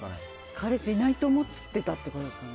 彼氏いないと思ってたってことですかね。